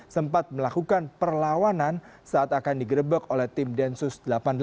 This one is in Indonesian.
sempat melakukan perlawanan saat akan digerebek oleh tim densus delapan puluh delapan